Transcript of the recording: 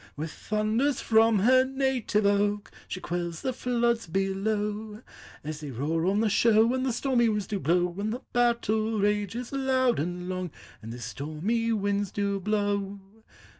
With thunders from her native oak, She quells the floods below, — As they roar on the shore, When the stormy winds do blow; When the battle rages loud and long And the stormy winds do blow.